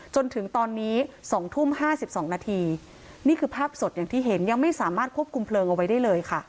จนถึงตอนนี้๒ทุ่ม๕๒นาทีนี่คือภาพสดอย่างที่เห็นยังไม่สามารถควบคุมเพลิงเอาไว้ได้เลยค่ะ